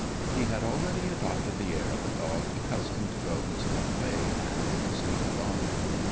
He had already adopted the air of a dog accustomed to go his own way and to sleep alone.